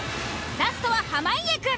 ラストは濱家くん。